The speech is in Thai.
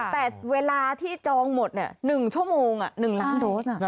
แต่เวลาที่จองหมด๑ชั่วโมง๑ล้านโดส